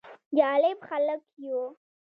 جالب خلک يو: